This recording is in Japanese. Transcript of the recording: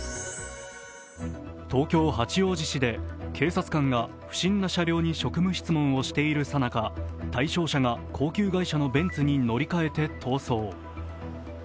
東京・八王子市で警察官が不審な車両に職務質問をしているさなか、対象者が高級外車のベンツに乗り換えて逃走。